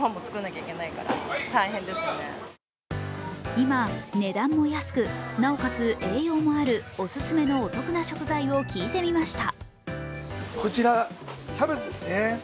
今、値段も安く、なおかつ栄養もあるオススメのお得な食材を聞いてみました。